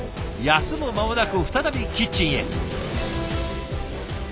休む間もなく再びキッチンへ。